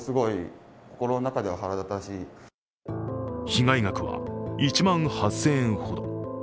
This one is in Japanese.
被害額は１万８０００円ほど。